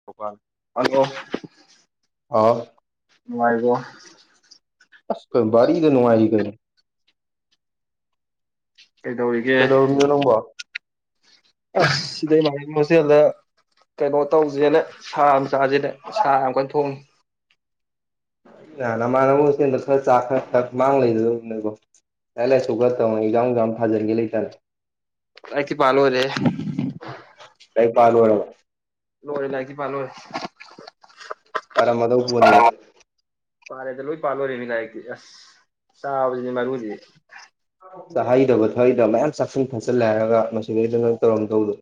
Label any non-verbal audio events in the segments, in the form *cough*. *unintelligible* Hello ꯑꯥꯎ ꯅꯨꯡꯉꯥꯏꯔꯤꯕꯣ ꯑꯁ ꯀꯩ ꯕꯥꯔꯤꯗ ꯅꯨꯡꯉꯥꯏꯔꯤꯀꯩꯅꯣ ꯀꯩꯗꯧꯔꯤꯒꯦ ꯀꯩꯗꯧꯔꯝꯃꯤꯅꯣ ꯅꯪꯕꯣ ꯑꯁ ꯁꯤꯗ *unintelligible* ꯀꯩꯅꯣ ꯇꯧꯖꯦꯅ ꯁꯥ ꯑꯃ ꯆꯥꯖꯦꯅ ꯁꯥ ꯌꯥꯝ ꯀꯟꯅ ꯊꯣꯡꯉꯤ ꯅ ꯅꯃꯥꯟꯅꯕꯒ ꯍꯣꯁꯇꯦꯜꯗ ꯈꯔ ꯆꯥ ꯈꯔ ꯊꯛ ꯃꯥꯡ ꯂꯩ *unintelligible* ꯅꯣꯏꯕꯣ ꯂꯥꯏꯔꯤꯛ ꯂꯥꯏꯁꯨꯒ ꯂꯥꯏꯔꯤꯛꯇꯤ ꯄꯥ ꯂꯣꯏꯔꯦꯍꯦ *unintelligible* ꯂꯥꯏꯔꯤꯛꯄꯥ ꯂꯣꯏꯔꯕꯣ ꯂꯣꯏꯔꯦ ꯂꯥꯏꯔꯤꯛꯇꯤ ꯄꯥꯂꯣꯏꯔꯦ ꯄꯥꯔꯝꯃꯗꯧ ꯄꯣꯠꯅꯤꯗ ꯄꯥꯔꯦꯗ ꯂꯣꯏ ꯄꯥꯂꯣꯏꯔꯦꯃꯤ ꯂꯥꯏꯔꯤꯛꯇꯤ ꯑꯁ ꯆꯥꯕꯖꯤꯅꯦ ꯃꯔꯨꯗꯤ ꯆꯥꯍꯩꯗꯕ ꯊꯛꯑꯩꯗꯕ ꯃꯌꯥꯝ ꯆꯥꯁꯤꯟ ꯊꯛꯆꯜꯂꯦ ꯍꯥꯏꯔꯒ ꯃꯁꯤꯗꯩꯗ ꯅꯪ ꯇꯧꯔꯝꯗꯧꯗꯣ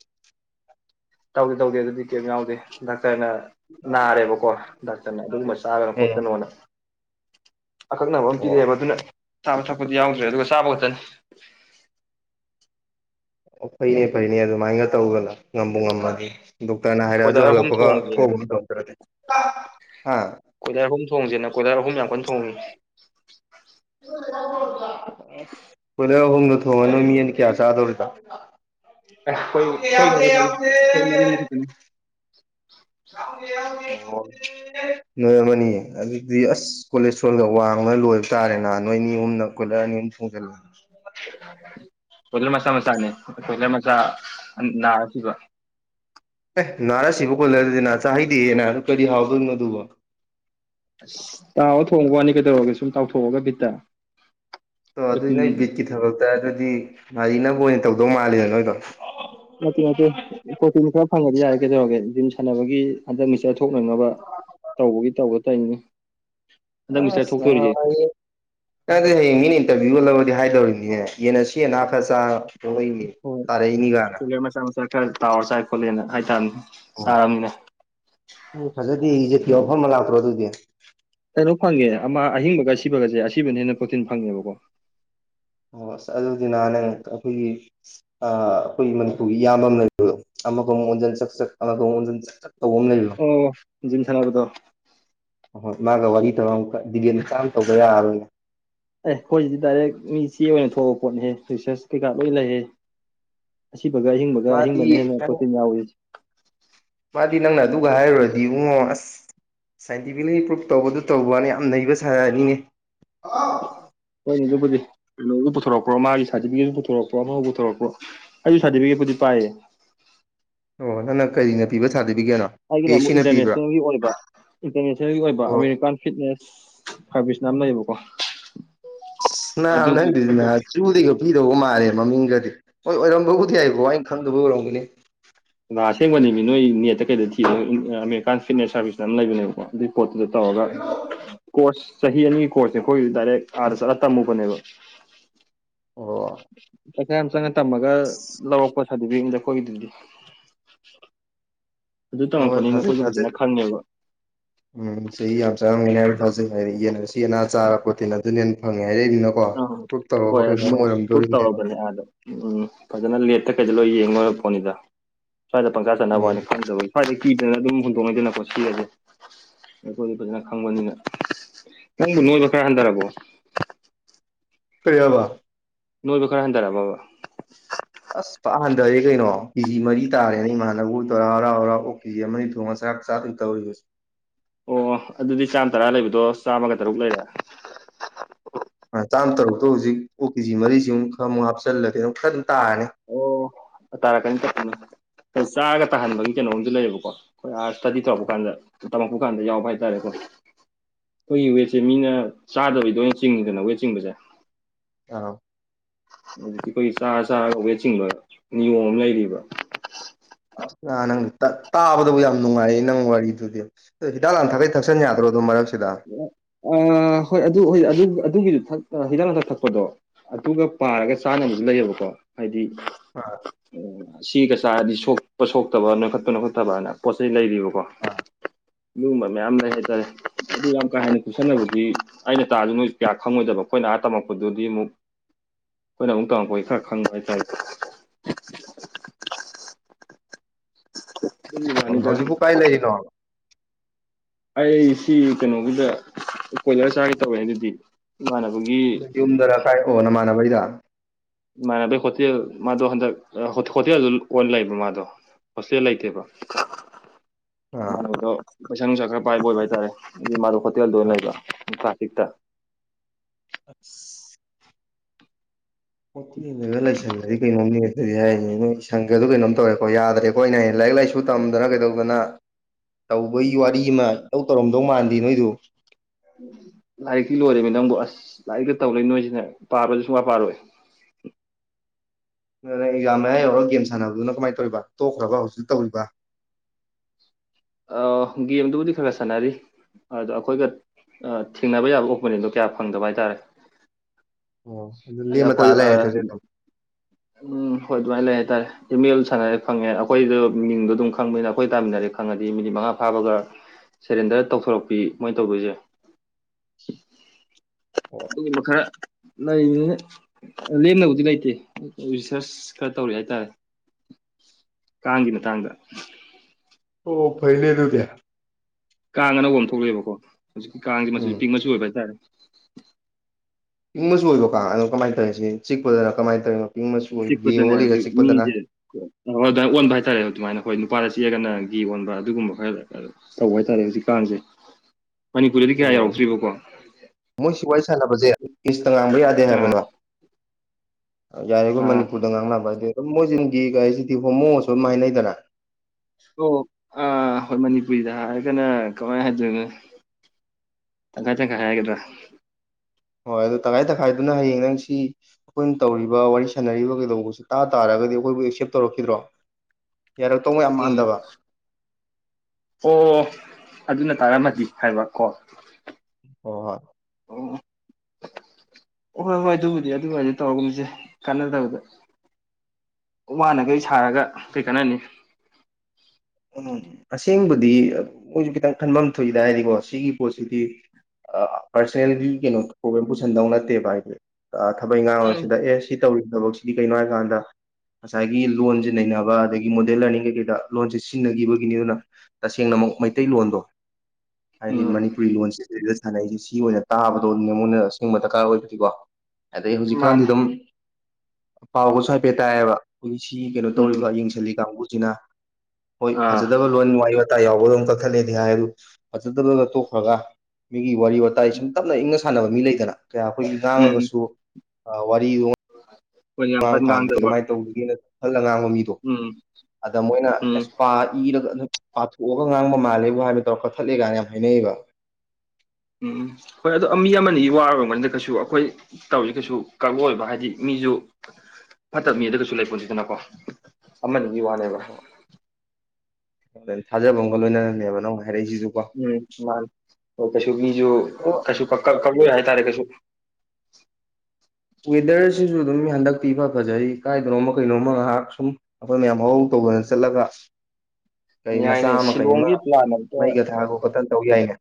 ꯇꯧꯗꯦ ꯇꯧꯗꯦ ꯑꯗꯨꯗꯤ ꯀꯩꯝ ꯌꯥꯎꯗꯦ ꯗꯥꯛꯇꯔꯅ ꯅꯥꯔꯦꯕꯀꯣ ꯗꯥꯛꯇꯔꯅ ꯑꯗꯨꯒꯨꯝꯕ ꯆꯥꯒꯅꯣ ꯎꯝ ꯈꯣꯠꯀꯅꯣꯅ ꯑꯀꯛꯅꯕ ꯑꯃ ꯄꯤꯔꯛꯑꯦꯕ ꯑꯣ ꯑꯗꯨꯅ ꯆꯥꯕ ꯊꯛꯄꯗꯤ ꯌꯥꯎꯗ꯭ꯔꯦ ꯑꯗꯨꯒ ꯆꯥꯕ ꯈꯛꯇꯅꯤ ꯑꯣ ꯐꯩꯅꯦ ꯐꯩꯅꯦ ꯑꯗꯨꯃꯥꯏꯅꯒ ꯇꯧꯒꯂ ꯉꯝꯕꯨ ꯉꯝꯃꯗꯤ ꯗꯣꯛꯇꯔꯅ ꯍꯥꯏꯔꯛꯑꯖꯨ ꯀꯣꯏꯂꯔ ꯑꯍꯨꯝ ꯍꯜꯂꯛꯄꯒ ꯊꯣꯡꯁꯦꯅ ꯊꯣꯛꯑꯕ ꯇꯧꯔꯛꯇ꯭ꯔꯗꯤ ꯍꯥ ꯀꯣꯏꯂꯔ ꯑꯍꯨꯝ ꯊꯣꯡꯖꯤꯅ ꯀꯣꯏꯂꯔ ꯑꯍꯨꯝ ꯌꯥꯝ ꯀꯟꯅ ꯊꯣꯡꯉꯤ *unintelligible* ꯀꯣꯏꯂꯔ ꯑꯍꯨꯝꯗꯣ ꯊꯣꯡꯉꯒ ꯅꯣꯏ ꯃꯤꯌꯦꯅ ꯀꯌꯥ ꯆꯥꯗꯧꯔꯤꯕ ꯑꯦ ꯑꯩꯈꯣꯏ ꯌꯥꯎꯗꯦ ꯑꯩꯈꯣꯏ ꯀꯩꯅꯣ ꯈꯛꯇꯅꯤ ꯌꯥꯎꯗꯦ ꯑꯩꯈꯣꯏ ꯌꯥꯎꯗꯦ ꯃꯔꯤꯃꯨꯛ *unintelligible* ꯌꯥꯎꯗꯦ ꯌꯥꯎꯗꯦ ꯑꯣ ꯌꯥꯎꯗꯦ ꯅꯣꯏꯑꯃꯅꯤ ꯑꯗꯨꯗꯤ ꯑꯁ ꯀꯣꯂꯦꯁꯇ꯭ꯔꯣꯜꯒ ꯋꯥꯡꯉ ꯂꯣꯏꯕ ꯇꯥꯔꯦꯅ ꯅꯣꯏ ꯑꯅꯤ ꯑꯍꯨꯝꯅ ꯀꯣꯏꯂꯔ ꯑꯅꯤ ꯑꯍꯨꯝ ꯊꯣꯡꯖꯜꯂꯗꯤ ꯫ *unintelligible* ꯀꯣꯏꯂꯔ ꯃꯆꯥ ꯃꯆꯥꯅꯦ ꯀꯣꯏꯂꯔ ꯃꯆꯥꯥ ꯅꯔꯥ ꯁꯤꯕ ꯑꯦ ꯅꯥꯔꯁꯤꯕ ꯀꯣꯜꯂꯔꯗꯤ ꯅ ꯆꯥꯍꯩꯗꯦꯍꯦ ꯑꯗꯨ ꯀꯔꯤ ꯍꯥꯎꯗꯣꯏꯅꯣ ꯑꯗꯨꯕꯨ ꯫ ꯑꯁ ꯇꯥꯎꯔ ꯊꯣꯡꯕ ꯋꯥꯅꯤ ꯀꯩꯗꯧꯔꯒꯦ ꯁꯨꯝ ꯇꯥꯎꯊꯣꯛꯑꯒ ꯕꯤꯠꯇ ꯫ ꯑꯣ ꯑꯗꯨꯏ ꯅꯣꯏ ꯕꯤꯠꯀꯤ ꯊꯕꯛꯇ ꯑꯗꯨꯗꯤ ꯃꯔꯤꯅꯕ ꯑꯣꯏꯅ ꯇꯧꯗꯧ ꯃꯥꯜꯂꯤꯗ ꯅꯣꯏꯗꯣ ꯫ ꯅꯠꯇꯦ ꯅꯠꯇꯦ ꯄꯣꯇꯤꯟ ꯈꯔ ꯐꯪꯉꯗꯤ ꯌꯥꯔꯦ ꯀꯩꯗꯧꯔꯒꯦ ꯖꯤꯝ ꯁꯥꯟꯅꯕꯒꯤ ꯍꯟꯗꯛ ꯃꯤꯆꯔ ꯊꯣꯛꯅꯅꯕ ꯇꯧꯕꯒꯤ ꯇꯧꯒꯦ ꯇꯧꯅꯤ ꯍꯟꯗꯛ ꯃꯤꯁꯇꯔ ꯊꯣꯛꯇꯣꯔꯤꯌꯦ ꯫ ꯅꯪꯒ ꯍꯌꯦꯡ ꯃꯤꯅ ꯏꯟꯇꯔꯚꯤꯌꯨꯒ ꯂꯧꯔꯗꯤ ꯍꯥꯏꯗꯧꯔꯤꯅꯦ ꯫ ꯌꯦꯟ ꯑꯁꯤꯅꯥ ꯈꯔ ꯆꯥ ꯂꯧꯔꯛꯏꯅꯤ ꯍꯣꯏ ꯇꯥꯔꯛꯏꯅꯤ ꯀꯀꯥꯏꯅ ꯕꯣꯏꯂꯔ ꯃꯆꯥ ꯃꯆꯥ ꯈꯔ ꯇꯥꯎꯔ ꯆꯥꯏ ꯈꯣꯠꯂꯦꯅ ꯍꯥꯏꯇꯥꯔꯅꯦ ꯆꯥꯔꯅꯤꯅ ꯫ ꯐꯖꯗꯦꯍꯦ ꯏꯖꯠꯀꯤ ꯋꯥꯐꯝ ꯑꯃ ꯂꯥꯛꯇ꯭ꯔꯣ ꯑꯗꯨꯗꯤ ꯫ ꯀꯩꯅꯣ ꯐꯪꯉꯦ ꯑꯃ ꯑꯍꯤꯡꯕꯒ ꯁꯤꯕꯒꯁꯦ ꯑꯁꯤꯕꯅ ꯍꯦꯅ ꯄꯔꯣꯇꯤꯟ ꯐꯪꯉꯦꯕꯀꯣ ꯫ ꯑꯣ ꯑꯁ ꯑꯗꯨꯗꯤ ꯅ ꯅꯪ ꯑꯩꯈꯣꯏꯒꯤ ꯑꯩꯈꯣꯏꯒꯤ ꯃꯅꯤꯄꯨꯔꯒꯤ ꯏꯌꯥꯝꯕ ꯑꯃ ꯂꯩꯕꯗꯣ ꯑꯃꯒ ꯑꯃꯨꯛ ꯑꯣꯟꯖꯟ ꯆꯛ ꯆꯛ ꯑꯃꯒ ꯑꯃꯨꯛ ꯑꯣꯟꯖꯟ ꯆꯛ ꯇꯧꯕ ꯑꯃ ꯂꯩꯕꯗꯣ ꯑꯣ ꯖꯤꯝ ꯁꯥꯟꯅꯕꯗꯣ ꯍꯣꯏ ꯃꯥꯒ ꯋꯥꯔꯤ ꯊꯧꯔ ꯑꯃꯨꯛꯀ ꯗꯤꯕꯦꯠ ꯃꯆꯥ ꯑꯃ ꯇꯧꯗ ꯌꯥꯔꯔꯣꯏꯅꯦ ꯫ ꯑꯦ ꯍꯣꯏꯁꯤꯗꯤ ꯗꯥꯏꯔꯦꯛ ꯃꯤ ꯆꯦ ꯑꯣꯏꯅ ꯊꯣꯛꯂꯑꯒ ꯄꯣꯠꯅꯤꯍꯦ ꯔꯤꯁꯔꯁ ꯀꯩꯀꯥ ꯂꯣꯏ ꯂꯩꯌꯦ ꯫ ꯑꯁꯤꯕꯒ ꯑꯍꯤꯡꯕꯒ ꯑꯍꯤꯡꯕꯅ ꯃꯥꯗꯤ ꯍꯦꯟꯅ ꯅꯪ ꯄꯔꯣꯇꯤꯟ ꯌꯥꯎꯋꯦꯁꯦ ꯫ ꯃꯥꯗꯤ ꯅꯪꯅ ꯑꯗꯨꯒ ꯍꯥꯏꯔꯨꯔꯗꯤ ꯏꯕꯨꯡꯉꯣ ꯑꯁ ꯁꯥꯏꯟꯇꯤꯐꯤꯀꯦꯜꯂꯤ ꯄ꯭ꯔꯨꯞ ꯇꯧꯕꯗꯨ ꯇꯧꯕ ꯋꯥꯅ ꯌꯥꯝ ꯅꯩꯕ ꯁꯥ ꯍꯥꯏꯅꯤꯡꯉꯤ ꯫ ꯍꯣꯏꯅꯦ ꯑꯗꯨꯕꯨꯗꯤ ꯀꯩꯅꯣꯗꯨ ꯄꯨꯊꯣꯔꯛꯄ꯭ꯔꯣ ꯃꯥꯒꯤ ꯁꯥꯔꯇꯤꯐꯤꯀꯦꯠꯁꯨ ꯄꯨꯊꯣꯔꯛꯄ꯭ꯔꯣ ꯑꯃ ꯄꯨꯊꯣꯔꯛꯄ꯭ꯔꯣ ꯫ ꯑꯩꯁꯨ ꯁꯥꯔꯇꯤꯐꯤꯀꯠꯄꯨꯗꯤ ꯄꯥꯏꯌꯦ ꯑꯣ ꯅꯪꯅ ꯀꯔꯤꯅ ꯄꯤꯕ ꯁꯥꯇꯤꯐꯤꯀꯦꯠꯅꯣ ꯫ ꯑꯩꯒꯤꯅ ꯑꯃꯨꯛ ꯏꯟꯇꯔꯅꯦꯁꯅꯦꯜꯒꯤ ꯑꯣꯏꯕ ꯏꯟꯇꯔꯅꯦꯁꯅꯦꯜꯒꯤ ꯑꯣꯏꯕ ꯑꯣ ꯑꯃꯦꯔꯤꯀꯥꯟ ꯐꯤꯠꯅꯦꯁ ꯫ ꯐꯕꯤꯁꯅ ꯑꯃ ꯂꯩꯀꯣ ꯫ ꯅ ꯅꯪꯗꯨꯗꯤ ꯅꯕ ꯆꯨꯂꯤꯒ ꯄꯤꯗꯧꯕ ꯃꯥꯜꯂꯦ ꯃꯃꯤꯡꯒꯗꯤ ꯫ ꯍꯣꯏ ꯑꯣꯏꯔꯝꯕꯕꯨꯗꯤ ꯌꯥꯏꯀꯣ ꯑꯩꯅ ꯈꯪꯗꯕꯕꯨ ꯑꯣꯏꯔꯝꯒꯅꯤ ꯍꯩꯃ ꯑꯁꯦꯡꯕꯅꯤꯃꯤ ꯅꯣꯏ ꯅꯦꯠꯇ ꯀꯩꯗ ꯊꯤꯌꯣ ꯑꯃꯦꯔꯤꯀꯥꯟ ꯐꯤꯠꯅꯦꯁ ꯁꯥꯔꯚꯤꯁꯁꯅ ꯑꯃ ꯂꯩꯕꯅꯦꯕꯀꯣ ꯑꯗꯨꯒꯤ ꯄꯣꯠꯇꯨꯗ ꯇꯧꯔꯒ ꯀꯣꯔꯁ ꯆꯍꯤ ꯑꯅꯤꯒꯤ ꯀꯣꯔꯁꯁꯦ ꯑꯩꯈꯣꯏ ꯗꯥꯏꯔꯦꯛ ꯑꯥꯗ ꯆꯠꯂ ꯇꯝꯃꯨꯕꯅꯦꯕ ꯫ ꯑꯣ ꯄꯩꯁꯥ ꯌꯥꯝ ꯆꯪꯉꯒ ꯇꯝꯃꯒ ꯂꯧꯔꯛꯄ ꯁꯥꯔꯇꯤꯐꯤꯀꯦꯠꯗ ꯑꯩꯈꯣꯏꯒꯤꯗꯨꯗꯤ ꯫ ꯑꯗꯨ ꯍꯣꯏ ꯇꯪꯉꯛꯄꯅꯤꯅ ꯊꯥꯖꯩ ꯑꯩꯈꯣꯏꯁꯨ ꯊꯥꯖꯩ ꯐꯖꯅ ꯈꯪꯉꯦꯕ ꯎꯝ ꯆꯍꯤ ꯌꯥꯝ ꯆꯥꯔꯝꯅꯦ ꯍꯥꯏꯕ ꯐꯥꯖꯩ ꯍꯥꯏꯗꯤ ꯌꯦꯟ ꯑꯁꯤ ꯑꯅꯥ ꯆꯥꯔ ꯄꯔꯣꯇꯤꯟ ꯑꯗꯨꯅ ꯍꯟꯅ ꯐꯪꯉꯦ ꯍꯥꯏꯔꯛꯏꯃꯤꯅ ꯫ ꯀꯣ ꯑꯥ ꯄ꯭ꯔꯨꯚ ꯇꯧꯔꯒ ꯍꯣꯏ ꯑꯗꯨ ꯀꯩꯅꯣꯝ ꯃꯣꯏ ꯄ꯭ꯔꯨꯞ ꯑꯣꯏꯔꯝꯗꯣꯔꯤꯕꯅꯦꯕ ꯫ ꯇꯧꯔꯕꯅꯦ ꯑꯥꯗ ꯎꯝ ꯐꯖꯅ ꯂꯦꯞꯇ ꯀꯩꯗ ꯂꯣꯏ ꯌꯦꯡꯂꯣꯏꯕ ꯄꯣꯠꯅꯤꯗ ꯁ꯭ꯋꯥꯏꯗ ꯄꯪꯆꯥꯥ ꯆꯥꯅꯕ ꯎꯝ ꯋꯥꯅꯤ ꯈꯪꯗꯕꯩ ꯁ꯭ꯋꯥꯏꯗ ꯀꯤꯗꯅ ꯑꯗꯨꯝ ꯍꯨꯟꯗꯣꯛꯅꯩꯗꯅꯀꯣ ꯁꯤꯔꯗꯤ ꯑꯩꯈꯣꯏꯗꯤ ꯐꯖꯅ ꯈꯪꯕꯅꯤꯅ ꯅꯪꯕꯨ ꯅꯣꯏꯕ ꯈꯔ ꯍꯟꯊꯔꯕꯣ ꯫ ꯀꯔꯤ ꯍꯥꯏꯕ ꯅꯣꯏꯕ ꯈꯔ ꯍꯟꯊꯔꯕꯕꯥ ꯫ ꯑꯁ ꯐꯖꯅ ꯍꯟꯊꯔꯦ ꯀꯩꯅꯣ ꯀꯦꯖꯤ ꯃꯔꯤ ꯇꯥꯔꯦꯅ ꯏꯃꯥꯟꯅꯕꯕꯨ ꯇꯧꯔ ꯍꯔꯥꯎ ꯍꯔꯥꯎ ꯑꯣꯛ ꯀꯦꯖꯤ ꯑꯃ ꯑꯅꯤ ꯊꯣꯡꯉꯥ ꯆꯥꯛꯄꯨ ꯆꯥ *unintelligible* ꯑꯣ ꯑꯗꯨꯗꯤ ꯆꯥꯝꯃ ꯇꯔꯥ ꯂꯩꯕꯗꯣ ꯆꯥꯝꯃꯒ ꯇꯔꯨꯛ ꯂꯩꯔꯦ ꯫ ꯆꯥꯝꯃ ꯇꯔꯨꯛꯇꯣ ꯍꯧꯖꯤꯛ ꯑꯣꯛ ꯀꯦꯖꯤ ꯃꯔꯤꯁꯤꯃꯨꯛ ꯈꯔꯃꯨꯛ ꯍꯥꯞꯆꯜꯂꯒꯦ ꯑꯗꯨꯝ ꯈꯔ ꯇꯥꯔꯅꯤ ꯫ ꯑꯣ ꯇꯥꯔꯛꯀꯅꯤ ꯆꯥꯔꯒ ꯇꯥꯍꯟꯕꯒꯤ ꯀꯩꯅꯣꯝꯁꯨ ꯂꯩꯌꯦꯕꯀꯣ ꯫ ꯈꯣꯏ ꯑꯥ ꯏꯁꯇꯗꯤ ꯇꯧꯔꯛꯄ ꯀꯥꯟꯗ ꯇꯝꯃꯛꯄ ꯀꯥꯟꯗ ꯌꯥꯎꯕ ꯍꯥꯏꯇꯥꯔꯦꯀꯣ ꯫ ꯑꯩꯈꯣꯏꯒꯤ ꯋꯦꯠꯁꯦ ꯃꯤꯅ ꯆꯥꯗꯕꯤꯗ ꯑꯣꯏꯅ ꯆꯤꯡꯉꯤꯗꯅ ꯋꯦꯠ ꯆꯤꯡꯕꯁꯦ ꯫ *unintelligible* ꯍꯧꯖꯤꯛꯇꯤ ꯑꯩꯈꯣꯏꯒꯤ ꯆꯥꯔ ꯆꯥꯔꯒ ꯋꯦꯠ ꯆꯤꯡꯕ ꯅꯤꯌꯣꯝ ꯑꯃ ꯂꯩꯔꯤꯕ ꯑꯁ ꯑ ꯅꯪ ꯇꯥ ꯇꯥꯕꯗꯕꯨ ꯌꯥꯝ ꯅꯨꯡꯉꯥꯏꯌꯦ ꯅꯪ ꯋꯥꯔꯤꯗꯨꯗꯤ ꯇꯣꯏꯗꯤ ꯍꯤꯗꯥꯛ ꯂꯥꯡꯊꯛꯀꯩ ꯊꯛꯆꯟ ꯌꯥꯗ꯭ꯔꯣ ꯑꯗꯨ ꯃꯔꯛꯁꯤꯗ ꯑ ꯍꯣꯏ ꯑꯗꯨꯏ ꯑꯗꯨ ꯑꯗꯨꯒꯤꯗꯨ ꯍꯤꯗꯥꯛ ꯂꯥꯡꯊꯛ ꯊꯛꯄꯗꯣ ꯑꯗꯨꯒ ꯄꯥꯔꯒ ꯆꯥꯅꯕꯁꯨ ꯂꯩꯌꯦꯕꯀꯣ ꯍꯥꯏꯗꯤ ꯄꯥ ꯑꯣ ꯁꯤꯒ ꯆꯥꯔꯗꯤ ꯁꯣꯛꯄ ꯁꯣꯛꯇꯕ ꯅꯣꯏꯈꯠꯄ ꯅꯣꯈꯠꯇꯕꯅ ꯄꯣꯠ ꯆꯩꯩ ꯂꯩꯔꯤꯕ ꯑꯥ ꯑꯗꯨꯒꯨꯝꯕ ꯃꯌꯥꯝ ꯂꯩ ꯍꯥꯏꯇꯥꯔꯦ ꯑꯗꯨ ꯌꯥꯝ ꯀꯥ ꯍꯦꯟꯅ ꯀꯨꯞꯁꯟꯅꯕꯗꯤ ꯑꯩꯅ ꯇꯥꯜꯂꯤ ꯅꯣꯏ ꯀꯌꯥ ꯈꯪꯉꯣꯏꯗꯕ ꯑꯩꯈꯣꯏꯅ ꯑꯍ ꯇꯝꯃꯛꯄꯗꯨꯗꯤ ꯑꯃꯨꯛ ꯑꯩꯈꯣꯏꯅꯃꯨꯛ ꯇꯝꯃꯛꯄꯩ ꯈꯔ ꯈꯪꯕ ꯍꯥꯏꯇꯥꯔꯦꯀꯣ ꯑꯗꯨꯒꯤ ꯑꯣꯈꯣꯜꯂꯣ ꯋꯥꯅꯤꯗ ꯍꯧꯖꯤꯛꯄꯨ ꯀꯥꯏ ꯂꯩꯔꯤꯅꯣ ꯑꯩ ꯁꯤ ꯀꯩꯅꯣꯒꯤꯗ ꯀꯣꯏꯂꯔ ꯆꯥꯒꯦ ꯇꯧꯋꯦ ꯑꯗꯨꯗꯤ ꯏꯃꯥꯟꯅꯕꯒꯤ ꯌꯨꯝꯗꯔ ꯀꯥꯏ ꯑꯣ ꯅꯃꯥꯟꯅꯕꯒꯤꯗ ꯏꯃꯥꯟꯅꯕꯩ ꯍꯣꯇꯦꯜ ꯃꯥꯗꯣ ꯍꯟꯗꯛ ꯍꯣꯇꯦꯜꯗꯨ ꯑꯣꯜ ꯂꯩꯕ ꯃꯥꯗꯣ ꯍꯣꯁꯇꯦꯜ ꯂꯩꯇꯦꯕ꯭ꯔꯣ ꯑꯥ ꯏꯃꯥꯟꯅꯕꯗꯣ ꯄꯩꯁꯥ ꯅꯨꯡꯁꯥ ꯈꯔ ꯄꯥꯏꯕ ꯑꯣꯏꯕ ꯍꯥꯏꯇꯥꯔꯦ ꯑꯗꯨ ꯃꯥꯗꯣ ꯍꯣꯇꯦꯜꯗ ꯑꯣꯏꯅ ꯂꯩꯕ ꯒꯨꯍꯇꯤꯗ ꯑꯁ ꯍꯣꯇꯦꯟꯗꯒ ꯂꯩꯥꯏꯁꯜꯂꯗꯤ ꯀꯩꯅꯣꯝꯅꯦ ꯑꯗꯨꯗꯤ ꯍꯥꯏꯅꯤ ꯅꯣꯏ ꯁꯪꯒꯗꯨ ꯀꯩꯅꯣꯝ ꯇꯧꯔꯦꯀꯣ ꯌꯥꯗ꯭ꯔꯦꯀꯣ ꯑꯩꯅ ꯂꯥꯏꯔꯤꯛ ꯂꯥꯏꯁꯨ ꯇꯝꯗꯅ ꯀꯩꯗꯧꯗꯅ ꯇꯧꯕꯒꯤ ꯋꯥꯔꯤ ꯑꯃ ꯏꯇꯧ ꯇꯧꯔꯝꯗꯧ ꯃꯥꯟꯗꯦ ꯅꯣꯏꯗꯣ ꯂꯥꯏꯔꯤꯛꯇꯤ ꯂꯣꯏꯔꯦꯃꯦ ꯅꯪꯕꯨ ꯑꯁ ꯂꯥꯏꯔꯤꯛꯛꯇ ꯇꯧꯔ ꯂꯩ ꯅꯣꯏꯁꯤꯅ ꯄꯥꯕꯗꯤ ꯁꯨꯡꯄꯥ ꯄꯥꯔꯣꯏ ꯑꯗꯨꯅ ꯑꯦꯛꯖꯥ ꯃꯌꯥ ꯌꯧꯔꯒ ꯒꯦꯝ ꯁꯥꯟꯅꯕꯗꯨꯅ ꯀꯃꯥꯏꯅ ꯇꯧꯔꯤꯕ ꯇꯣꯛꯈ꯭ꯔꯕ ꯍꯧꯖꯤꯛꯁꯨ ꯇꯧꯔꯤꯕ ꯑꯧ ꯒꯦꯝꯗꯨꯕꯨꯗꯤ ꯈꯔꯒ ꯁꯥꯟꯅꯔꯤ ꯑꯗ ꯑꯩꯈꯣꯏꯒ ꯑ ꯊꯦꯡꯅꯕ ꯌꯥꯕ ꯑꯣꯄꯣꯅꯦꯟꯗꯣ ꯀꯌꯥ ꯐꯪꯗꯕ ꯍꯥꯏꯇꯥꯔꯦ ꯑꯣ ꯑꯗꯨ ꯑꯩ ꯂꯦꯝꯃ ꯇꯥ ꯑꯩꯈꯣꯏ ꯑ ꯂꯩꯔꯦ ꯑꯗꯨꯗꯤ ꯑꯗꯨꯝ ꯎꯝ ꯍꯣꯏ ꯑꯗꯨꯃꯥꯏ ꯂꯩ ꯍꯥꯏꯇꯥꯔꯦ ꯏꯃꯦꯜ ꯁꯥꯟꯅꯔꯦ ꯐꯪꯉꯦ ꯑꯩꯈꯣꯏꯗꯣ ꯃꯤꯡꯗꯣ ꯑꯗꯨꯝ ꯈꯪꯕꯅꯤꯅ ꯑꯩꯈꯣꯏ ꯇꯥꯃꯤꯟꯅꯔꯦ ꯐꯪꯉꯗꯤ ꯃꯤꯅꯤꯠ ꯃꯉꯥ ꯐꯥꯕꯒ ꯁꯦꯔꯦꯟꯗꯔ ꯇꯧꯊꯣꯔꯛꯄꯤ ꯃꯣꯏꯅ ꯇꯧꯗꯣꯏꯁꯦ ꯑꯣ ꯑꯗꯨꯒꯨꯝꯕ ꯈꯔ ꯂꯩꯅꯤꯅꯦ ꯂꯦꯝꯅꯕꯨꯗꯤ ꯂꯩꯇꯦ ꯔꯤꯁꯔꯁ ꯈꯔ ꯇꯧꯔꯤ ꯍꯥꯏꯇꯥꯔꯦ ꯀꯥꯡꯒꯤ ꯃꯇꯥꯡꯗ ꯑꯣ ꯐꯩꯅꯦ ꯑꯗꯨꯨꯗꯤ ꯀꯥꯡ ꯑꯅꯧꯕꯝ ꯊꯣꯛꯂꯛꯑꯦꯕꯀꯣ ꯍꯧꯖꯤꯛꯀꯤ ꯀꯥꯡꯁꯦ ꯎꯝ ꯃꯆꯨ ꯄꯤꯡꯀ ꯃꯆꯨ ꯑꯣꯏꯕ ꯍꯥꯏꯇꯥꯔꯦ ꯄꯤꯡ ꯃꯨꯆꯨ ꯑꯣꯏꯕ ꯀꯥꯡ ꯑꯗꯣ ꯀꯃꯥꯏꯅ ꯇꯧꯔꯤ ꯁꯤ ꯆꯤꯛꯄꯗ ꯀꯃꯥꯏꯅ ꯇꯧꯔꯤꯅꯣ ꯄꯤꯡ ꯃꯆꯨ ꯒꯦ ꯑꯣꯜꯂꯤꯔ ꯆꯤꯛꯄꯗꯅ ꯍ ꯍꯣꯏ ꯑꯗꯨꯃꯥꯏꯅ ꯑꯣꯟꯕ ꯍꯥꯏꯇꯥꯔꯦ ꯑꯗꯨꯃꯥꯏꯅ ꯑꯩꯈꯣꯏ ꯅꯨꯄꯥꯗ ꯆꯤꯛꯑꯒꯅ ꯒꯦ ꯑꯣꯟꯕ ꯑꯗꯨꯒꯨꯝꯕ ꯈꯔ ꯇꯧꯕ ꯍꯥꯏꯇꯥꯔꯦ ꯍꯧꯖꯤꯛ ꯀꯥꯡꯁꯦ ꯃꯅꯤꯄꯨꯔꯗꯗꯤ ꯀꯌꯥ ꯑꯣ ꯌꯥꯎꯔꯛꯇ꯭ꯔꯤꯕꯀꯣ ꯃꯣꯏꯁꯤ ꯋꯥꯔꯤ ꯁꯥꯟꯅꯕꯁꯦ ꯏꯪꯂꯤꯁꯇ ꯉꯥꯡꯕ ꯑꯥ ꯌꯥꯔꯦ ꯑꯩꯈꯣꯏ ꯑꯥ ꯃꯅꯤꯄꯨꯔꯗ ꯉꯥꯡꯅꯕꯩꯗꯤ ꯑꯗꯨꯝ ꯃꯣꯏꯁꯤꯒꯤ ꯀꯩ ꯍꯥꯏꯁꯤꯗꯤ ꯍꯣꯃꯣꯁꯨ ꯑꯗꯨꯃꯥꯏ ꯂꯩꯗꯅ ꯑꯣ ꯑꯥ ꯍꯣꯏ ꯃꯅꯤꯄꯨꯔꯤꯗ ꯍꯥꯏꯔꯒꯅ ꯀꯃꯥꯏꯅ ꯍꯥꯏꯗꯣꯏꯅꯣ ꯇꯪꯈꯥꯏ ꯇꯪꯈꯥꯏ ꯍꯥꯏꯒꯗ꯭ꯔꯥ ꯍꯣꯏ ꯑꯗꯨ ꯇꯪꯈꯥꯏ ꯇꯈꯥꯏꯗꯨꯅ ꯍꯌꯦꯡ ꯅꯪ ꯁꯤ ꯑꯩꯈꯣꯏꯅ ꯇꯧꯔꯤꯕ ꯋꯥꯔꯤ ꯁꯥꯟꯅꯔꯤꯕ ꯀꯩꯗꯧꯕꯁꯤ ꯇꯥ ꯇꯥꯔꯒꯗꯤ ꯑꯩꯈꯣꯏꯕꯨ ꯑꯦꯛꯁꯦꯞ ꯇꯧꯔꯛꯈꯤꯗ꯭ꯔꯣ ꯌꯥꯔꯛꯇꯧ ꯌꯥꯝ ꯎꯝ ꯃꯥꯟꯗꯕ ꯑꯣ ꯑꯗꯨꯅ ꯇꯥꯔꯝꯃꯗꯤ ꯍꯥꯏꯕ ꯀꯣ ꯍꯣ ꯍꯣꯏ ꯎꯝ ꯑꯣꯍꯣꯏ ꯍꯣꯏ ꯑꯗꯨꯕꯨꯗꯤ ꯑꯗꯨꯃꯥꯏꯗꯤ ꯇꯧꯔꯒꯨꯝꯁꯦ ꯀꯥꯟꯅꯗꯕꯗ ꯋꯥꯥꯅꯈꯩ ꯁꯥꯔꯒ ꯀꯩ ꯀꯥꯟꯅꯅꯤ ꯎꯝ ꯑꯁꯦꯡꯕꯗꯤ ꯃꯣꯏꯁꯨ ꯈꯤꯇꯪ ꯈꯟꯐꯝ ꯊꯣꯛꯏꯗ ꯍꯥꯏꯗꯤꯀꯣ ꯁꯤꯒꯤ ꯄꯣꯠꯁꯤꯗꯤ ꯄꯥꯔꯁꯅꯦꯜꯂꯤ ꯀꯩꯅꯣ ꯄ꯭ꯔꯣꯕꯦꯝ ꯄꯨꯁꯟꯗꯧ ꯅꯠꯇꯦꯕ ꯍꯥꯏꯗꯤ ꯑ ꯊꯕꯛ ꯏꯪꯒꯥꯡ ꯎꯝ ꯃꯥꯔꯛꯁꯤꯗ ꯑꯦꯁ ꯁꯤ ꯇꯧꯔꯤꯕ ꯊꯕꯛꯁꯤꯗꯤ ꯀꯩꯅꯣ ꯍꯥꯏꯀꯥꯟꯗ ꯉꯁꯥꯏꯒꯤ ꯂꯣꯟꯖꯦ ꯅꯩꯅꯕ ꯑꯗꯒꯤ꯫ ꯃꯣꯗꯦꯜ ꯂꯔꯅꯤꯡ ꯀꯩꯀꯩꯗ ꯂꯣꯟꯁꯦ ꯁꯤꯟꯅꯒꯤꯕꯒꯤꯅꯦ ꯑꯗꯨꯅ ꯇꯁꯦꯡꯅ ꯑꯃꯨꯛ ꯃꯩꯇꯩꯂꯣꯟꯗꯣ꯫ ꯍꯥꯏꯗꯤ ꯎꯝ ꯃꯅꯤꯄꯨꯔꯤ ꯂꯣꯟꯁꯦ ꯁꯤꯗꯩꯗ ꯁꯥꯟꯅꯩꯁꯦ ꯁꯤ ꯑꯣꯏꯅ ꯇꯥꯕꯗꯣ ꯅꯉꯣꯟꯅ ꯑꯁꯦꯡꯕ ꯗꯔꯀꯥꯔ ꯑꯣꯏꯕꯗꯤꯀꯣ꯫ *unintelligible* ꯑꯗꯩ ꯃꯥꯅꯤ ꯍꯧꯖꯤꯛꯀꯥꯟꯗꯤ ꯗꯨꯝ ꯄꯥꯎꯒꯁꯨ ꯍꯥꯏꯐꯦꯠ ꯇꯥꯏꯌꯦꯕ ꯑꯩꯈꯣꯏꯒꯤ ꯁꯤꯒꯤ ꯀꯩꯅꯣ ꯎꯝ ꯇꯧꯔꯤꯕ ꯌꯦꯡꯁꯜꯂꯤ ꯀꯥꯡꯕꯨꯁꯤꯅ꯫ ꯍꯣꯏ ꯑꯥ ꯐꯖꯗꯕ ꯂꯣꯟ ꯋꯥꯍꯩ ꯋꯥꯇꯥ ꯌꯥꯎꯕꯗꯨꯝ ꯀꯛꯊꯠꯂꯦꯗꯤ ꯍꯥꯏ ꯑꯗꯨ꯫ ꯐꯖꯗꯕꯒ ꯇꯣꯛꯈ꯭ꯔꯥꯒ ꯃꯤꯒꯤ ꯋꯥꯔꯤ ꯋꯥꯇꯥꯏ ꯁꯨꯝ ꯇꯞꯅ ꯏꯪꯅ ꯁꯥꯟꯅꯕ ꯃꯤ ꯂꯩꯗꯅ꯫ ꯀꯌꯥ ꯑꯩꯈꯣꯏꯒꯤ ꯎꯝ ꯉꯥꯡꯉꯒꯁꯨ ꯑ ꯋꯥꯔꯤ ꯍꯣꯏ ꯌꯥꯝ ꯀꯟ ꯃꯥꯡ ꯀꯥꯟꯗ ꯉꯥꯡꯗꯕ ꯀꯃꯥꯏꯅ ꯇꯧꯒꯦꯅ ꯈꯜꯂ ꯉꯥꯡꯕ ꯃꯤꯗꯣ꯫ ꯎꯝ ꯑꯗ ꯃꯣꯏꯅ ꯎꯝ ꯑꯦꯁ ꯄꯥ ꯏꯔꯒ ꯄꯥꯊꯣꯛꯑꯒ ꯉꯥꯡꯕ ꯃꯥꯜꯂꯦꯕꯨ ꯍꯥꯏꯕ ꯇꯧꯔꯒ ꯀꯊꯠꯂꯦ ꯒꯅꯥ ꯌꯥꯝ ꯍꯥꯏꯅꯩꯑꯕ꯫ ꯎꯝ ꯍꯣꯏ ꯑꯗꯣ ꯃꯤ ꯑꯃ ꯑꯅꯤꯒꯤ ꯋꯥ ꯑꯣꯏꯔꯡꯒꯅꯤꯗ ꯀꯩꯁꯨ ꯑꯩꯈꯣꯏ꯫ ꯇꯧꯔꯤ ꯀꯩꯁꯨ ꯀꯛꯂꯑꯣꯏꯕ ꯍꯥꯏꯗꯤ ꯃꯤꯖꯨ ꯐꯠꯇꯕ ꯃꯤꯗ ꯀꯩꯁꯨ ꯂꯩꯄꯣꯟꯇꯦꯗꯅꯀꯣ꯫ ꯑꯃꯅꯤꯒꯤ ꯋꯥꯅꯦꯕ ꯊꯥꯖꯕ ꯑꯃꯒ ꯂꯣꯏꯅꯅꯥꯅꯦꯕꯀꯣ ꯅꯪꯕꯨ ꯍꯥꯏꯔꯛꯏꯖꯤꯖꯨ ꯀꯣ ꯎꯝ ꯃꯥꯅꯤ ꯑꯣ ꯀꯩꯁꯨ ꯃꯤꯖꯨ ꯀꯩꯁꯨ ꯀꯛ ꯀꯛ ꯀꯛꯂꯣꯏ ꯑꯣ ꯍꯥꯏꯇꯥꯔꯦ ꯀꯩꯁꯨ ꯋꯦꯗꯔꯁꯤꯁꯨ ꯑꯗꯨꯝ ꯍꯟꯗꯛꯇꯤ ꯏꯐꯥ ꯐꯥꯖꯔꯤ ꯀꯥꯏꯗꯅꯣꯝꯃ ꯀꯩꯅꯣꯝꯃ ꯉꯥꯍꯥꯛ ꯁꯨꯝ ꯑꯩꯈꯣꯏ ꯃꯌꯥꯝ ꯍꯧ ꯍꯧ ꯇꯧꯗꯅ ꯆꯠꯂꯒ꯫ ꯀꯩ ꯃꯆꯥ ꯌꯥꯏꯅꯦ ꯑꯃ ꯀꯩ ꯑꯃ ꯁꯤꯂꯣꯡꯒꯤ ꯄ꯭ꯂꯥꯟ ꯃꯩꯒ ꯑꯝꯇ ꯊꯥ ꯈꯣꯀꯠꯇꯅ ꯇꯧ ꯌꯥꯏꯅꯦ꯫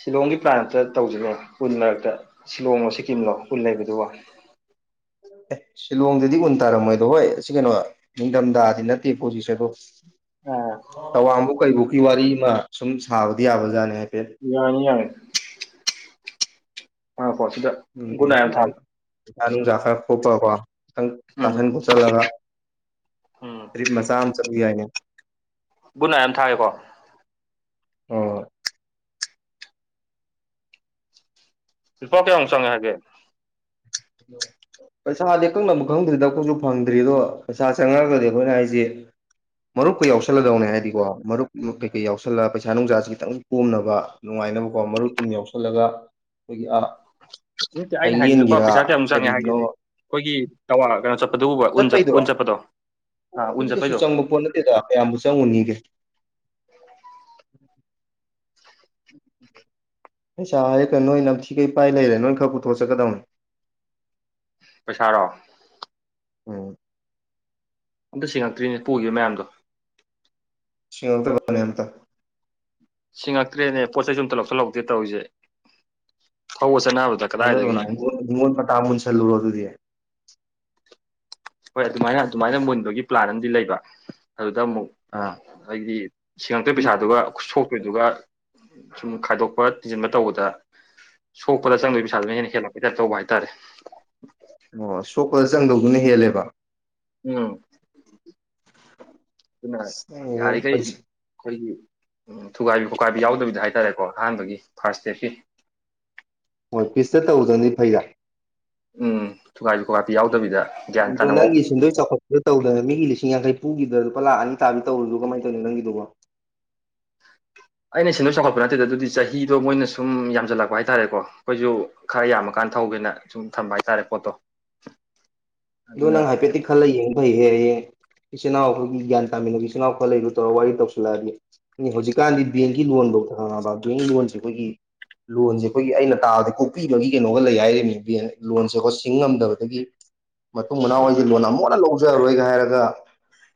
ꯁꯤꯂꯣꯡꯒꯤ ꯄ꯭ꯂꯥꯟ ꯑꯝꯇ ꯇꯧꯖꯤꯅꯦ ꯎꯟ ꯃꯔꯛꯇ ꯁꯤꯂꯣꯡꯂꯣ ꯁꯤꯀꯤꯝꯂꯣ ꯎꯟ ꯂꯩꯕꯗꯨ ꯕꯣ ꯑꯦ ꯁꯤꯂꯣꯡꯗꯗꯤ ꯎꯨꯟ ꯇꯥꯔꯝꯃꯣꯏꯗꯣ ꯍꯣꯏ ꯁꯤ ꯀꯩꯅꯣ ꯅꯤꯡꯊꯝꯊꯥꯗꯤ ꯅꯠꯇꯦꯀꯣ ꯍꯧꯖꯤꯛꯁꯦ ꯑꯗꯣ꯫ ꯑꯥ ꯇꯋꯥꯡꯕꯨꯛ ꯀꯩꯕꯨꯨꯛꯀꯤ ꯋꯥꯔꯤ ꯑꯃ ꯁꯨꯝ ꯁꯥꯕꯗꯤ ꯌꯥꯕꯖꯥꯠꯅꯦ ꯍꯥꯏꯐꯦꯠ꯫ ꯌꯥꯅꯤ ꯌꯥꯔꯦ *unintelligible* ꯉꯥꯏꯑꯣꯀꯣ ꯁꯤꯗ ꯎꯝ ꯒꯨꯠꯅꯥꯏꯗ ꯑꯃ ꯁꯨꯃꯥꯏꯅ ꯊꯥꯒꯦ꯫ ꯄꯩꯁꯥ ꯅꯨꯡꯖꯥ ꯈꯔ ꯈꯣꯄꯒꯀꯣ ꯈꯤꯇꯪ ꯎꯝ ꯇꯥꯁꯟ ꯈꯣꯠꯆꯜꯂꯒ ꯎꯝ ꯇ꯭ꯔꯤꯞ ꯃꯆꯥ ꯑꯝ ꯆꯠꯂꯨ ꯌꯥꯏꯅꯦ ꯕꯨꯨꯠꯅꯥꯏ ꯑꯝ ꯊꯥꯒꯦꯀꯣ ꯑꯣꯏ ꯂꯨꯄꯥ ꯀꯌꯥꯃꯨꯛ ꯆꯪꯑꯛꯑꯒꯦ꯫ ꯄꯩꯁꯥꯗꯤ ꯑꯀꯛꯅꯕ ꯈꯪꯗ꯭ꯔꯤꯗ ꯑꯩꯈꯣꯏꯖꯨ ꯐꯪꯗ꯭ꯔꯤ ꯑꯗꯣ ꯄꯩꯁꯥ ꯆꯪꯉꯛꯑꯒꯗꯤ ꯑꯩꯈꯣꯏꯅ ꯍꯥꯏꯁꯦ ꯃꯔꯨꯞꯀ ꯌꯥꯎꯁꯜꯂꯗꯧꯅꯦ ꯍꯥꯏꯗꯤꯀꯣ ꯃꯔꯨꯞ ꯀꯩꯀꯩ ꯌꯥꯎꯁꯜꯂꯒ ꯄꯩꯁꯥ ꯅꯨꯡꯁꯥꯥꯁꯦ ꯈꯤꯇꯪ ꯄꯣꯝꯅꯕ ꯅꯨꯡꯉꯥꯏꯅꯕ ꯀꯣ ꯃꯔꯨ ꯇꯨꯝ ꯌꯥꯎꯁꯜꯂꯒ ꯑꯩꯈꯣꯏꯒꯤ ꯑ ꯅꯠꯇꯦ ꯑꯩꯅ ꯍꯥꯏꯗꯤ ꯂꯨꯄꯥ ꯊꯥꯏꯂꯦꯟꯒꯤꯔꯥ ꯄꯩꯁꯥ ꯀꯌꯥꯃꯨꯛ ꯆꯪꯉꯦ ꯍꯥꯏꯒꯦꯗꯤ ꯑꯩꯈꯣꯏꯒꯤ ꯇꯋꯥ ꯀꯩꯅꯣ ꯆꯠꯄꯗꯨ ꯎꯕ ꯎꯟ ꯆꯠꯄꯩꯗꯨꯔꯣ ꯆꯠꯄꯗꯣ꯫ ꯑꯥ ꯎꯟꯆꯠꯄꯩꯗꯣ *unintelligible* ꯛꯣꯟ ꯅꯠꯇꯦꯗ ꯀꯌꯥꯝꯕꯨ ꯆꯪꯉꯨꯅꯤꯒꯦ꯫ ꯄꯩꯁꯥ ꯍꯥꯏꯔꯦ ꯀꯩ ꯅꯣꯏ ꯅꯝꯊꯤꯒꯩ ꯄꯥꯏ ꯂꯩꯔꯦ ꯅꯣꯏ ꯈꯔ ꯄꯨꯊꯣꯛꯑꯒ ꯆꯠꯀꯗꯧꯅꯤ꯫ ꯄꯩꯁꯥꯔꯣ ꯎꯝ ꯑꯝꯇ ꯁꯦꯡꯉꯛꯇ꯭ꯔꯤꯅꯦ ꯄꯨꯒꯤꯕ ꯃꯌꯥꯝꯗꯣ꯫ ꯁꯤꯡꯉꯛꯇꯕꯅꯦ ꯑꯝꯇ ꯁꯤꯉꯛꯇ꯭ꯔꯦꯅꯦ ꯄꯣꯠ ꯆꯩꯩꯁꯨ ꯑꯨꯝꯝꯇ ꯂꯧꯁꯜꯍꯧꯗꯦ ꯇꯧꯔꯤꯖꯦ ꯊꯧꯕ ꯆꯅꯕꯗ *unintelligible* ꯃꯨꯟꯁꯜꯔꯨꯔꯣ ꯑꯗꯨꯗꯤ ꯍꯣꯏ ꯑꯗꯨꯃꯥꯏꯅ ꯑꯗꯨꯃꯥꯏꯅ ꯃꯨꯟꯕꯒꯤ ꯄ꯭ꯂꯥꯟ ꯑꯃꯗꯤ ꯂꯩꯕ ꯑꯗꯨꯗ ꯑꯃꯨꯛ ꯑꯥ ꯑꯩꯗꯤ ꯁꯤꯡꯉꯛꯇꯣꯏ ꯄꯩꯁꯥꯗꯨꯒ ꯁꯣꯛꯇꯣꯏꯗꯨꯒ ꯁꯨꯝ ꯈꯥꯏꯗꯣꯛꯄ ꯇꯤꯟꯖꯟꯕ ꯇꯧꯕꯗ ꯁꯣꯛꯄꯗ ꯆꯪꯗꯒ꯭ꯔꯤ ꯄꯩꯁꯥꯗꯨꯅ ꯍꯦꯟꯅ ꯍꯦꯜꯂꯛꯄꯩ ꯇꯥꯏꯄ ꯇꯧꯕ ꯍꯥꯏꯇꯥꯔꯦ ꯑꯣ ꯁꯣꯛꯄꯗ ꯆꯪꯗꯧꯗꯨꯅ ꯍꯦꯜꯂꯦꯕ ꯎꯝ ꯑꯗꯨꯅ ꯌꯥꯔꯤꯈꯩ ꯑꯩꯈꯣꯏꯒꯤ ꯊꯨꯒꯥꯏꯕꯤ ꯈꯣꯀꯥꯏꯕ ꯌꯥꯎꯗꯕꯤꯗ ꯍꯥꯏꯇꯥꯔꯦꯀꯣ ꯑꯍꯥꯟꯕꯒꯤ ꯐꯥꯔꯁ ꯗꯦꯠꯀꯤ ꯍꯣꯏ ꯄꯤꯁꯇ ꯇꯧꯗꯅꯤ ꯐꯩꯔꯥ ꯎꯝ ꯊꯨꯒꯥꯏꯁꯨ ꯈꯣꯀꯥꯏꯄꯤ ꯌꯥꯎꯗꯕꯤꯗ ꯒ꯭ꯌꯥꯟ ꯇꯥꯅ ꯅꯪꯒꯤ ꯁꯤꯟꯗꯣꯏ ꯆꯥꯎꯈꯠꯄꯗ ꯇꯧꯗꯅ ꯃꯤꯒꯤ ꯂꯤꯁꯤꯡ ꯌꯥꯡꯈꯩ ꯄꯨꯒꯤꯗ ꯑꯗꯨ ꯂꯨꯄꯥ ꯂꯥꯛ ꯑꯅꯤꯥꯕꯤ ꯇꯧꯨꯁꯨ ꯀꯃꯥꯏ ꯇꯧꯅꯤ ꯅꯪꯒꯤꯗꯨꯕꯣ ꯑꯩꯅ ꯁꯦꯟꯗꯣꯛ ꯆꯥꯎꯒꯠꯄ ꯅꯠꯇꯦꯗ ꯑꯗꯨꯗꯤ ꯆꯍꯤꯗꯣ ꯃꯣꯏꯅ ꯁꯨꯝ ꯌꯥꯝꯖꯜꯂꯛꯄ ꯍꯥꯏꯇꯥꯔꯦꯀꯣ ꯑꯩꯈꯣꯏꯁꯨ ꯈꯔ ꯌꯥꯝꯃꯀꯥꯟꯗ ꯊꯧꯒꯦꯅ ꯁꯨꯝ ꯊꯝꯕ ꯍꯥꯏꯇꯥꯔꯦ ꯄꯣꯠꯇꯣ ꯑꯗꯣ ꯅꯪ ꯑꯗꯨꯅ ꯍꯥꯏꯐꯦꯠꯇꯤ ꯈꯜꯂꯒ ꯌꯦꯡꯕ ꯐꯩꯍꯦꯌꯦ ꯏꯆꯤꯟꯜꯅꯥꯎꯈꯣꯏ ꯒ꯭ꯌꯥꯟ ꯇꯥꯃꯤꯟꯅꯕ ꯏꯆꯤꯜꯅꯥꯎ ꯈꯔ ꯂꯩꯔꯨ ꯇꯧꯔꯒ ꯋꯥꯔꯤ ꯇꯧꯁꯤꯜꯂꯛꯑꯗꯤ ꯍꯧꯖꯤꯛꯀꯥꯟꯗꯤ ꯕꯤ ꯂꯣꯟꯐꯧꯗ ꯍꯪꯉꯑꯕ ꯑ ꯑꯅꯤ ꯂꯣꯟꯁꯤꯦ ꯑꯩꯈꯣꯏꯒꯤ ꯂꯣꯟꯁꯦ ꯑꯩꯈꯣꯏꯒꯤ ꯑꯩꯅ ꯇꯥꯕꯗ ꯀꯣꯛꯄꯤꯕꯒꯤ ꯀꯩꯅꯣꯒ ꯂꯩ ꯍꯥꯏꯔꯦ ꯃꯤꯡꯕꯤꯅ ꯂꯣꯟꯁꯦ ꯑꯩꯈꯣꯏ ꯁꯤꯡꯉꯝꯗꯕꯗꯒꯤ ꯃꯇꯨꯡ ꯃꯅꯥꯎ ꯍꯏꯁꯦ ꯂꯣꯟ ꯑꯃꯨꯛꯟꯅ ꯂꯧꯖꯔꯔꯣꯏꯒ ꯍꯥꯏꯔꯒ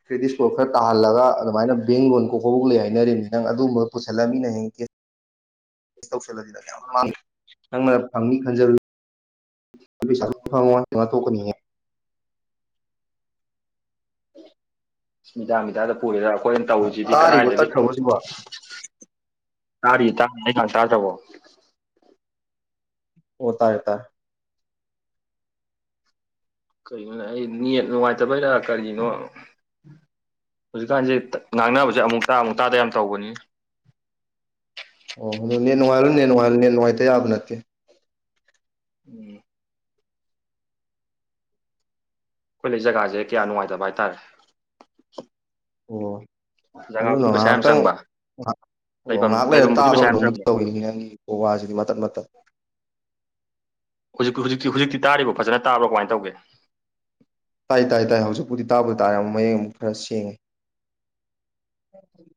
ꯀ꯭ꯔꯦꯗꯤꯠ ꯁꯀꯣꯔꯠ ꯈꯔ ꯇꯥꯍꯜꯂꯒ ꯑꯗꯨꯃꯥꯏꯅ ꯕꯦꯡ ꯂꯣꯟ ꯀꯣꯛꯀꯐꯣꯛꯛ ꯂꯩ ꯍꯥꯏꯅꯔꯤꯕꯅꯤ ꯅꯪ ꯑꯗꯨꯒꯝꯕꯒ ꯄꯨꯁꯜꯂꯃꯤꯅ ꯍꯌꯦꯡ ꯀꯦ ꯅꯪꯅ ꯐꯪꯅꯤ ꯈꯟꯖꯔ ꯐꯪꯉꯣ ꯍꯥꯏꯅ ꯊꯣꯛꯀꯅꯤꯉꯦ ꯃꯤꯗꯥꯡ ꯃꯤꯗꯥꯗ ꯄꯨꯔꯦꯗ ꯑꯩꯈꯣꯏꯅ ꯇꯧꯁꯤꯗꯤ ꯇꯥꯔꯤꯕꯣ ꯀꯗꯥꯏꯗꯒꯤ ꯇꯠꯈ꯭ꯔꯕꯣ ꯁꯤꯕꯣ ꯇꯥꯔꯤ ꯇꯥ ꯑꯩ ꯈ ꯁꯥꯥ ꯇꯕꯣ ꯑꯣ ꯇꯥꯔꯦ ꯇꯥꯔꯦ ꯀꯔꯤꯒꯤꯅꯣ ꯑꯩ ꯅꯦꯠ ꯅꯨꯡꯉꯥꯏꯇꯕꯩꯔꯥ ꯀꯔꯤꯅꯣ ꯍꯧꯖꯤꯛꯀꯥꯟꯁꯦ ꯉꯥꯡꯅꯕꯁꯦ ꯑꯃꯨꯛ ꯇꯥ ꯑꯃꯨꯛ ꯇꯥꯗ ꯌꯥꯝ ꯇꯧꯕꯅꯤ ꯑꯣ ꯑꯗꯨꯣ ꯅ ꯅꯨꯡꯉꯥꯏꯜꯂꯨ ꯅ ꯉꯜꯂꯨ ꯅꯦ ꯅꯨꯡꯉꯥꯏꯇ ꯌꯥꯕ ꯅꯠꯇꯦ ꯎꯝ ꯑꯩꯈꯣꯏ ꯂꯩ ꯖꯒꯥꯁꯦ ꯀꯌꯥ ꯅꯨꯡꯉꯥꯏꯇꯕ ꯍꯥꯏꯕꯇꯥꯔꯦ ꯑꯣ ꯑꯗꯨꯅ ꯖꯒꯥꯕꯨꯗꯤ ꯄꯩꯁꯥ ꯌꯥꯝ ꯉꯥꯏꯍꯥꯛꯇꯪ ꯆꯪꯕ ꯉ ꯑꯣ ꯂꯩꯐꯝ ꯉꯥꯏꯍꯥꯛ ꯂꯩꯔ ꯂꯩꯐꯝꯕꯨꯗꯤ ꯄꯩꯁꯥ ꯌꯥꯝ ꯇꯥꯕ꯭ꯔꯥꯒꯨꯝꯕ ꯆꯪꯕ ꯇꯧꯋꯅꯤ ꯅꯪꯒꯤ ꯎ ꯋꯥꯁꯤꯗꯤ ꯃꯇꯠ ꯃꯇꯠ ꯍꯧꯖꯤꯛꯤ ꯍꯧꯖꯤꯛꯇꯤꯖꯤꯛꯇꯤ ꯇꯥꯔꯤꯕ ꯐꯖꯅ ꯇꯥ꯭ꯔꯥ ꯀꯃꯥꯏꯅ ꯇꯧꯒꯦ ꯇꯥꯏ ꯇꯥꯏ ꯇꯥꯏ ꯍꯧꯖꯤꯛꯄꯨꯗꯤ ꯇꯥꯕ ꯇꯔꯦ ꯑꯃ ꯃꯌꯦꯛ ꯑꯃꯨꯛ ꯈꯔ ꯁꯦꯡꯉꯦ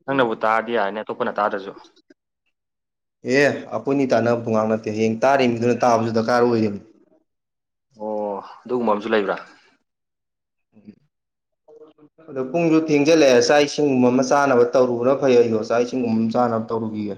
ꯅꯪꯅꯕꯨ ꯇꯥꯔꯗꯤ ꯌꯥꯏꯅ ꯑꯇꯣꯞꯄꯅ ꯇꯥꯗ꯭ꯔꯁꯨ ꯑꯦ ꯑꯩꯈꯣꯏꯅꯤ ꯇꯥꯟꯅꯕꯗꯨ ꯉꯥꯛ ꯅꯠꯇꯦ ꯍꯌꯦꯡ ꯇꯥꯔꯤꯕꯃꯤꯅꯤꯗꯨꯅ ꯇꯥꯕꯁꯨ ꯗꯔꯀꯥꯔ ꯑꯣꯏꯔꯤꯕꯅꯤ ꯑꯣ ꯑꯗꯨꯒꯨꯝꯕ ꯑꯃꯁꯨ ꯂꯩꯕ꯭ꯔꯥ *inaudible* ꯑꯗꯣ ꯄꯨꯡꯁꯨ ꯊꯦꯡꯖꯤꯜꯂꯛꯑꯦ ꯆꯥꯛ ꯏꯁꯤꯡꯒꯨꯝꯕ ꯑꯃ ꯆꯥꯅꯕ ꯇꯧꯔꯨꯕ꯭ꯔꯥ ꯐꯩ ꯑꯩꯗꯣ ꯆꯥꯛ ꯏꯁꯤꯡꯒꯨꯝꯕ ꯑꯃ ꯆꯥꯅꯕ ꯇꯧꯔꯨꯈꯤꯒꯦ